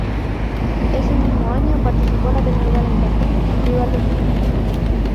Ese mismo año, participó en la telenovela infantil "¡Vivan los niños!".